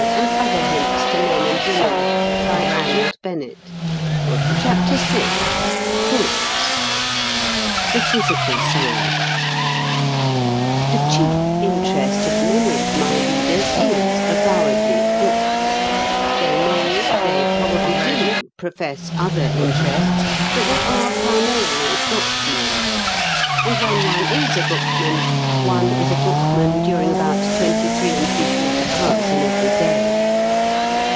And she would understand. And do you think she would refuse? VI BOOKS THE PHYSICAL SIDE The chief interest of many of my readers is avowedly books; they may, they probably do, profess other interests, but they are primarily "bookmen," and when one is a bookman one is a bookman during about twenty three and three quarter hours in every day.